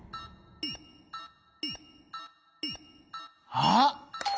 あっ！